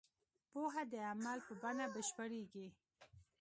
پوهه د عمل په بڼه بشپړېږي.